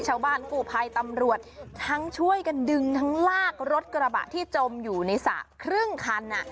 ชาวบ้านกูภัยตำรวจทั้งช่วยกันดึงทั้งลากรถกระบะที่จมอยู่ในสระครึ่งคัน